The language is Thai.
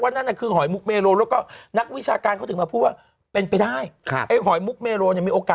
ทำให้รู้จักว่านั่นคือหอยมุกเมโล